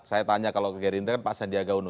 saya tanya kalau ke gerindra pak sandiaga uno